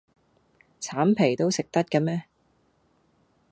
橙皮都食得嘅咩